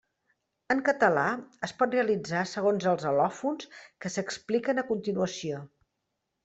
En català es pot realitzar segons els al·lòfons que s'expliquen a continuació.